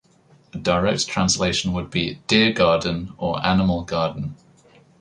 A direct translation would be "Deergarden" or "Animalgarden".